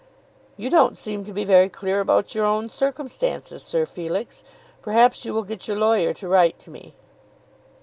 "You don't seem to be very clear about your own circumstances, Sir Felix. Perhaps you will get your lawyer to write to me."